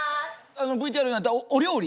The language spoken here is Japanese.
ＶＴＲにあったお料理。